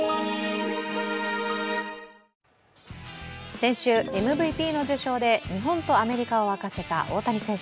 先週、ＭＶＰの受賞で日本とアメリカをわかせた大谷選手。